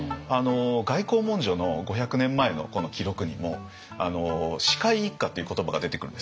外交文書の５００年前の記録にも「四海一家」っていう言葉が出てくるんです。